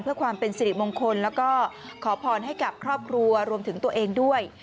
เพื่อความเป็นสิริมงคลแล้วก็ขอพรให้กับครอบครัวรวมถึงตัวเองด้วย